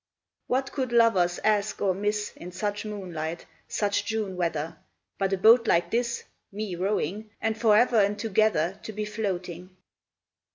What could lovers ask or miss In such moonlight, such June weather, But a boat like this, (me rowing!) And forever and together To be floating?